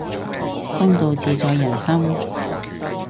公道自在人心